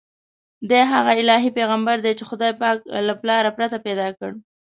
دی هغه الهي پیغمبر دی چې خدای پاک له پلار پرته پیدا کړ.